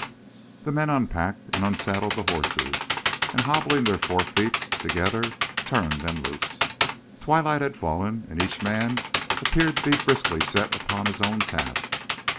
The men unpacked and unsaddled the horses, and, hobbling their forefeet together, turned them loose. Twilight had fallen and each man appeared to be briskly set upon his own task.